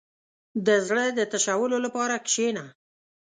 • د زړۀ د تشولو لپاره کښېنه.